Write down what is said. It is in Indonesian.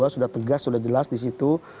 sudah tegas sudah jelas di situ